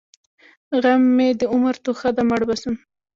غم مې د عمر توښه ده؛ مړ به شم.